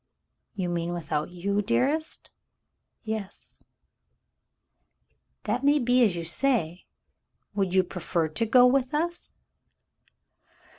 "You mean without you, dearest ?" "Yes." "That may be as you say. Would you prefer to go with us?"